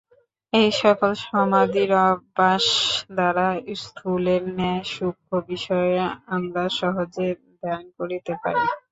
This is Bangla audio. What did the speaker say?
এই-সকল সমাধির অভ্যাস দ্বারা স্থূলের ন্যায় সূক্ষ্ম বিষয়ও আমরা সহজে ধ্যান করিতে পারি।